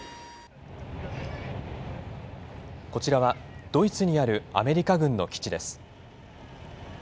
こちらはドイツにあるアメリカ軍の基地です。